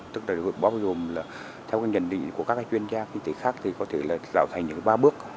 tức là bao gồm là theo cái nhận định của các chuyên gia kinh tế khác thì có thể là tạo thành những ba bước